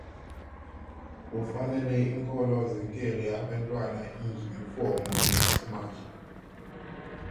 Kufanele iinkolo zinikele abentwana ijinifomu yasimahla.